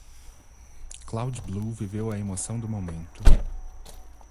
Cloud-Blue viveu a emoção do momento.